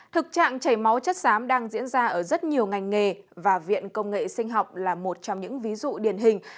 thực trạng chảy máu chất xám đang diễn ra ở rất nhiều ngành nghề và viện công nghệ sinh học là một trong những ví dụ điển hình